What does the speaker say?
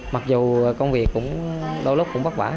mặc dù công việc đôi lúc cũng bất vả